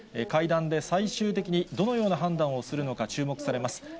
会談で最終的にどのような判断をするのか注目されます。